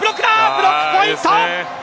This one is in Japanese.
ブロックポイント。